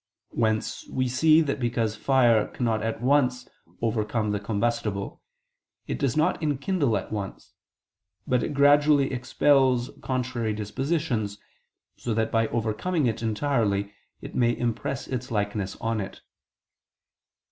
Whence we see that because fire cannot at once overcome the combustible, it does not enkindle at once; but it gradually expels contrary dispositions, so that by overcoming it entirely, it may impress its likeness on it.